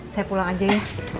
saya pulang aja ya